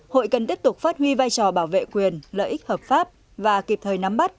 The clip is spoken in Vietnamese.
hội cần tiếp tục phát huy vai trò bảo vệ quyền lợi ích hợp pháp và kịp thời nắm bắt